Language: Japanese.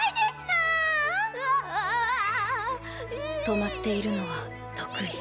止まっているのは得意。